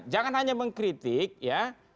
jangan hanya mengkritik ya